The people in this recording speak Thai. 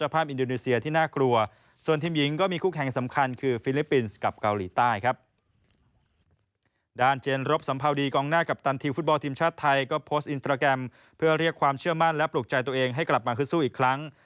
เพื่อเรียกความเชื่อมั่นและปลูกใจตัวเองให้กลับมาคุดสู้อีกครั้ง